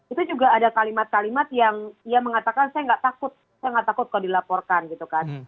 itu juga ada kalimat kalimat yang ia mengatakan saya nggak takut saya nggak takut kalau dilaporkan gitu kan